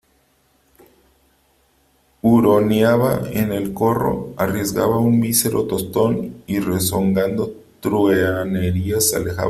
huroneaba en el corro , arriesgaba un mísero tostón , y rezongando truhanerías se alejaba .